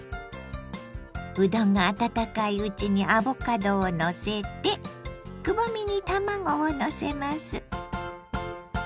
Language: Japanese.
うどんが温かいうちにアボカドをのせてくぼみに卵をのせます。